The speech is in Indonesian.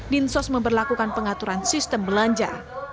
dinsos memperlakukan pengaturan sistem belanja